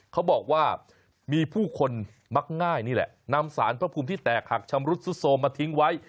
เขาบอกว่ามีผู้คนมักง่ายนี่แหละนำสารพระภูมิที่แตกหักชำรุดซุดโทรมาทิ้งไว้